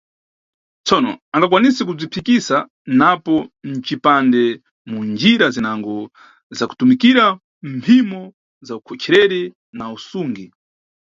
Tsono, angakwanise kubziphukisa napo mcipande, mu njira zinango zakutumikira mphimo za ukhochereri na usungi.